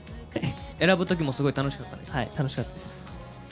選ぶときもすごい楽しかったはい、楽しかったです。